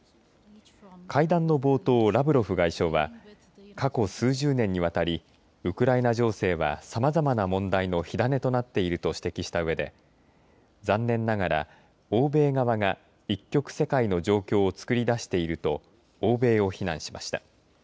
会談の冒頭、ラブロフ外相は過去、数十年にわたりウクライナ情勢はさまざまな問題の火種となっていると指摘した上で残念ながら欧米側が一極世界の状況をつくり出していると欧米を非難しました。